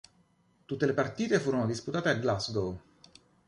Tutte le partite furono disputate a Glasgow.